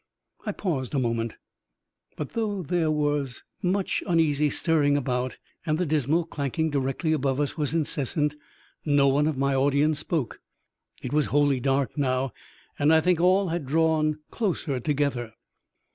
I paused a moment, but though there was much uneasy stirring about, and the dismal clanking directly above us was incessant, no one of my audience spoke. It was wholly dark now, and I think all had drawn closer together.